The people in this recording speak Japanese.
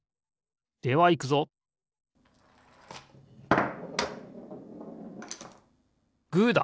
ではいくぞグーだ！